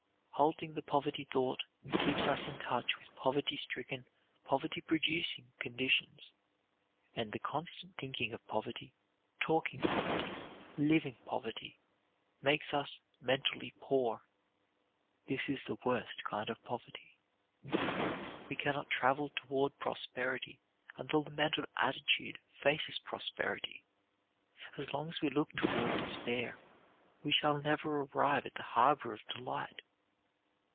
Holding the poverty thought, keeps us in touch with poverty stricken, poverty producing conditions; and the constant thinking of poverty, talking poverty, living poverty, makes us mentally poor. This is the worst kind of poverty. We can not travel toward prosperity until the mental attitude faces prosperity. As long as we look toward despair, we shall never arrive at the harbor of delight.